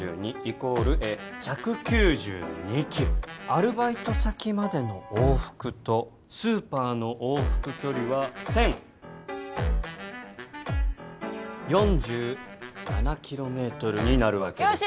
アルバイト先までの往復とスーパーの往復距離は１０４７キロメートルになるわけです